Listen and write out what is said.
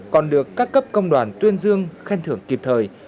còn được các cấp công đoàn tuyên dương khen thưởng kịp thời